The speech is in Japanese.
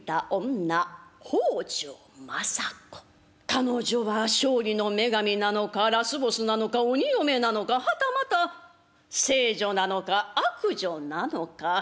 彼女は勝利の女神なのかラスボスなのか鬼嫁なのかはたまた聖女なのか悪女なのか。